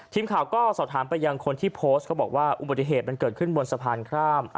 ทีมข่าวก็สอบถามไปยังคนที่โพสต์เขาบอกว่าอุบัติเหตุมันเกิดขึ้นบนสะพานข้าม